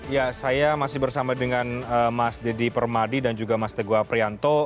ya saya masih bersama dengan mas deddy permadi dan juga mas teguh aprianto